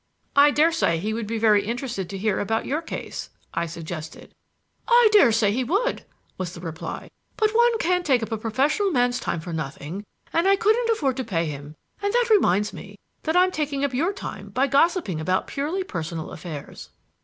"I daresay he would be very much interested to hear about your case," I suggested. "I daresay he would," was the reply; "but one can't take up a professional man's time for nothing, and I couldn't afford to pay him. And that reminds me that I'm taking up your time by gossiping about purely personal affairs."